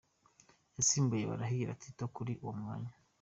Yasimbuye Barahira Tito kuri uwo mwanya.